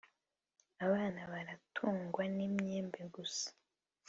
abana baratungwa n’imyembe gusa